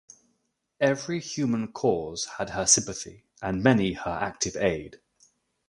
Every human cause had her sympathy and many her active aid.